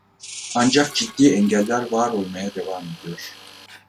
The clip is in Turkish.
Ancak ciddi engeller var olmaya devam ediyor.